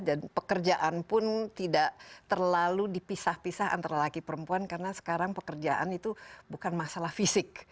pekerjaan pun tidak terlalu dipisah pisah antara laki perempuan karena sekarang pekerjaan itu bukan masalah fisik